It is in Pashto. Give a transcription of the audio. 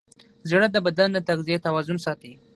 زړه د بدن د تغذیې توازن ساتي.